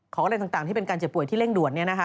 อะไรต่างที่เป็นการเจ็บป่วยที่เร่งด่วน